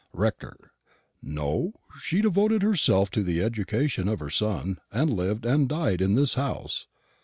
The Rector. No; she devoted herself to the education of her son, and lived and died in this house.